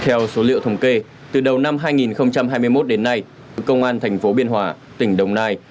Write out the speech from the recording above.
theo số liệu thống kê từ đầu năm hai nghìn hai mươi một đến nay công an thành phố biên hòa tỉnh đồng nai